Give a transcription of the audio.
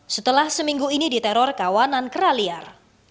setelah seminggu ini diteror kawanan kera liar